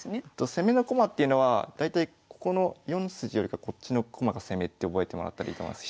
攻めの駒っていうのは大体ここの４筋よりかこっちの駒が攻めって覚えてもらったらいいと思います。